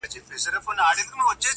زه ګرم نه یم دا زما زړه لېونی دی.!